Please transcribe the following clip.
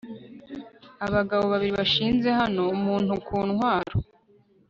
Abagabo babiri bashinze hano Umuntukuntwaro